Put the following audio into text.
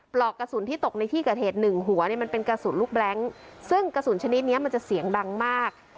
ปลอกกระสุนที่ตกในที่เกิดเหตุหนึ่งหัวเนี่ยมันเป็นกระสุนลูกแร้งซึ่งกระสุนชนิดนี้มันจะเสียงดังมาก